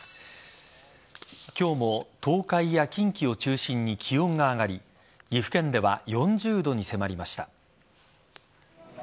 今日も東海や近畿を中心に気温が上がり岐阜県では４０度に迫りました。